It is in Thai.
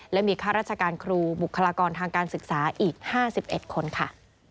และมีข้าราชการครูบุคลากรทางการศึกษาอีก๕๑คนค่ะ